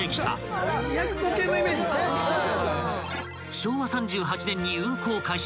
［昭和３８年に運行開始］